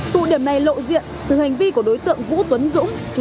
tụ điểm này lộ diện từ hành vi của đối tượng vũ tuấn dũng